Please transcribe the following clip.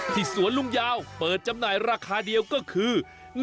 สวนลุงยาวเปิดจำหน่ายราคาเดียวก็คือ